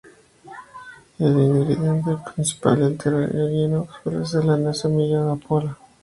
El ingrediente principal del relleno suele ser la nuez o la semilla de amapola.